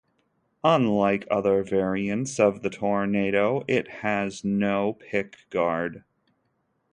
Unlike other variants of the Toronado, it has no pickguard.